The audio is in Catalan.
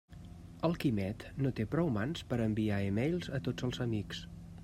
El Quimet no té prou mans per a enviar e-mails a tots els amics.